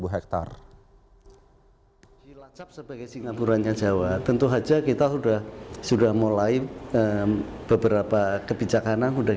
hektare sebagai singapura jawa tentu saja kita sudah sudah mulai beberapa kebijakan yang udah